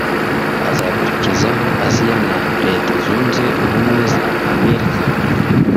azakurikizaho Aziya na Leta Zunze Ubumwe za Amerika